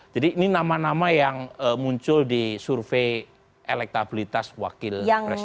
jadi ini nama nama yang muncul di survei elektabilitas wakil presiden